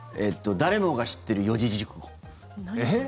「誰もが知ってる四字熟語」。